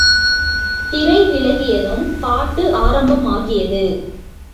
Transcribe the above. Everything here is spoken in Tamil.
திரை விலகியதும் பாட்டு ஆரம்பமாகியது.